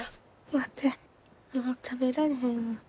ワテもう食べられへんわ。